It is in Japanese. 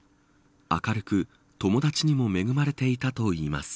明るく、友達にも恵まれていたといいます。